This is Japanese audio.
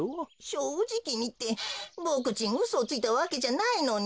「しょうじきに」ってボクちんうそをついたわけじゃないのに。